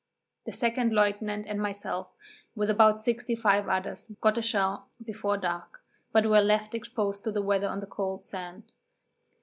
The second lieutenant and myself, with about sixty five others, got ashore before dark, but were left exposed to the weather on the cold sand.